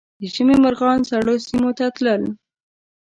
د ژمي مرغان سړو سیمو ته تلل